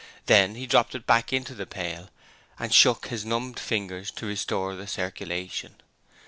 Then he dropped it back into the pail, and shook his numbed fingers to restore the circulation.